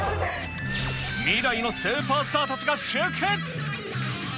未来のスーパースターたちが集結。